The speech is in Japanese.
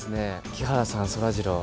木原さん、そらジロー。